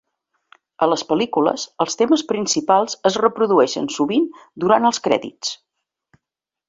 A les pel·lícules, els temes principals es reprodueixen sovint durant els crèdits.